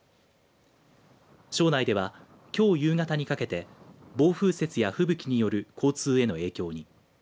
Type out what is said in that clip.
庄内ではきょう夕方にかけて暴風雪や吹雪による交通への影響に。